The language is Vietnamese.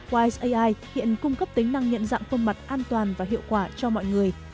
wise ai hiện cung cấp tính năng nhận dạng khuôn mặt an toàn và hiệu quả cho mọi người